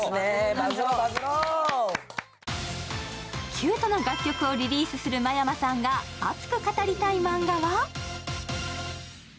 キュートな楽曲をリリースする真山さんが熱く語りたいマンガは？